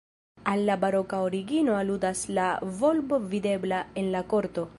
Al la baroka origino aludas la volbo videbla en la korto.